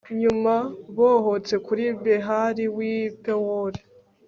nyuma bohotse kuri behali w'i pewori